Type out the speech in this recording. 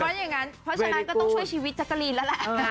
เพราะฉะนั้นก็ต้องช่วยชีวิตจักรีนแล้วแหละ